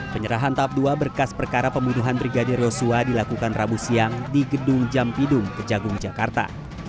penyerahan tahap dua berkas perkara pembunuhan brigadir yosua dilakukan rabu siang di gedung jampidum kejagung jakarta